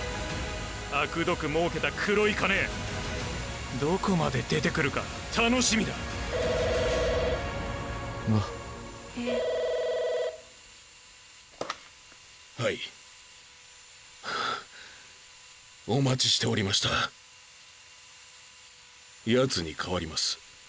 あくどくもうけた黒い金どこまで出てくるか楽しみだなはいお待ちしておりましたヤツにかわります